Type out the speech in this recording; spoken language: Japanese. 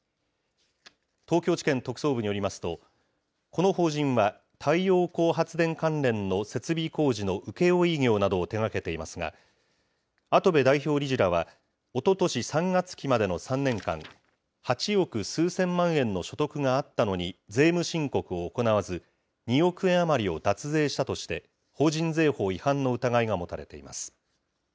東京地検特捜部によりますと、この法人は、太陽光発電関連の設備工事の請負業などを手がけていますが、跡部代表理事らは、おととし３月期までの３年間、８億数千万円の所得があったのに、税務申告を行わず、２億円余りを脱税したとして、法人税法違反の疑いが持たれています。